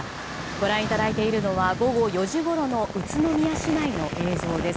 ご覧いただいているのは午後４時ごろの宇都宮市内の映像です。